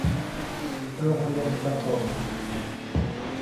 โรงเรียนประถม